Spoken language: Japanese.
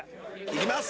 いきます